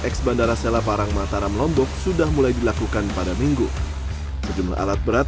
x bandara sela parang mataram lombok sudah mulai dilakukan pada minggu sejumlah alat berat